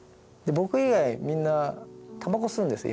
僕以外みんなタバコ吸うんですよ